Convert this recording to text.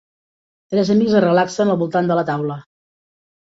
Tres amics es relaxen al voltant de la taula.